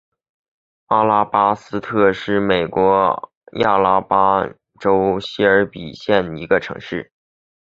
阿拉巴斯特是美国亚拉巴马州谢尔比县的一个城市。